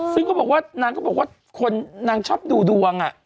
ซึ่งนางก็บอกว่านางชอบดูดวงอ่ะ